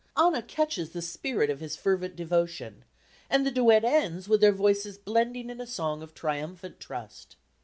Anna catches the spirit of his fervent devotion, and the duet ends with their voices blending in a song of triumphant trust.